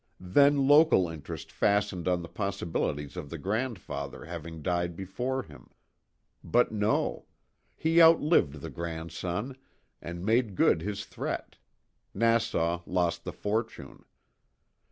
Then local interest fastened on the possibilities of the grandfather having died before him. But no. He outlived the grandson, and made good his threat Nassau lost the fortune.